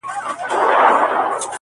ستا د مخ له اب سره ياري کوي,